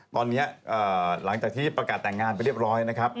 ตอนนี้หลังจากที่ประกาศแต่งงานไปเรียบร้อยนะครับ